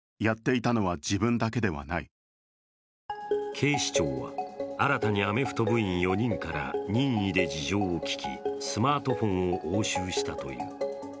警視庁は新たにアメフト部員４人から任意で事情を聴きスマートフォンを押収したという。